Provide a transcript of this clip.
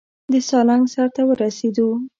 د سالنګ سر ته ورسېدو.